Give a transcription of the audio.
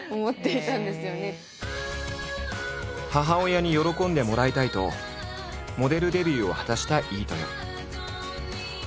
母親に喜んでもらいたいとモデルデビューを果たした飯豊。